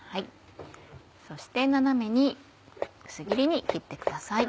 そして斜めに薄切りに切ってください。